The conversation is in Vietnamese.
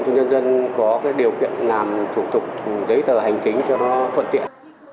cho nhân dân có cái điều kiện làm thủ tục giấy tờ hành tính cho nó thuận tiện